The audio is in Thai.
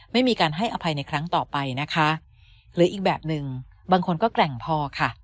ไม่มีการให้อภัยในครั้งต่อไปนะคะหรืออีกแบบหนึ่งบางคนก็แกร่งพอค่ะ